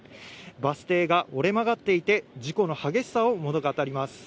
バス停が折れ曲がっていて、事故の激しさを物語ります。